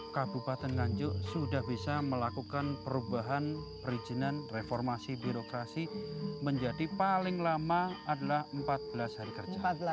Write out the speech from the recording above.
kabupaten nganjuk sudah bisa melakukan perubahan perizinan reformasi birokrasi menjadi paling lama adalah empat belas hari kerja